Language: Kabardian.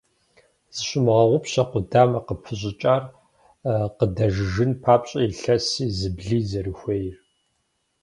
Зыщумыгъэгъупщэ къудамэ къыпыщӀыкӀар къыдэжыжын папщӀэ илъэси зыблый зэрыхуейр.